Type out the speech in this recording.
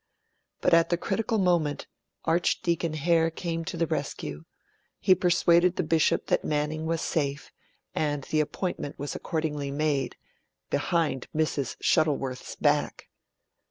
But at the critical moment Archdeacon Hare came to the rescue; he persuaded the Bishop that Manning was safe; and the appointment was accordingly made behind Mrs. Shuttleworth's back.